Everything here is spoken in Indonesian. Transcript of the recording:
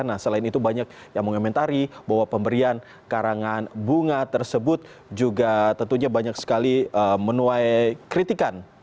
nah selain itu banyak yang mengomentari bahwa pemberian karangan bunga tersebut juga tentunya banyak sekali menuai kritikan